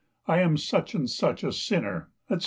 I am such and such a sinner," etc.